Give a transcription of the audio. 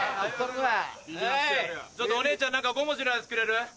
ちょっとお姉ちゃん何か５文字のやつくれる？